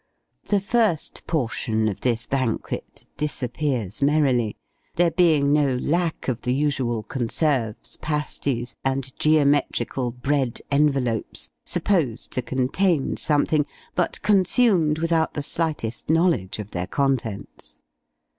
The first portion of this banquet disappears merrily; there being no lack of the usual conserves, pasties, and geometrical bread envelopes supposed to contain something, but consumed without the slightest knowledge of their contents.